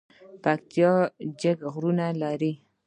پکتیا جګ غرونه لري